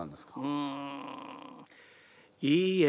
うん。